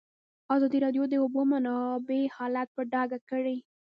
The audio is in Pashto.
ازادي راډیو د د اوبو منابع حالت په ډاګه کړی.